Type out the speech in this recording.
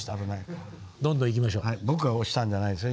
僕が押したんじゃないですよ。